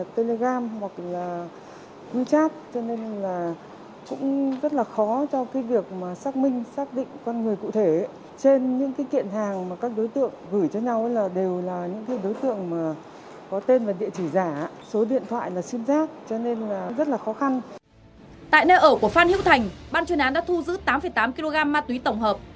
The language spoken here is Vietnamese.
tại nơi ở của phan hữu thành ban chuyên án đã thu giữ tám tám kg ma túy tổng hợp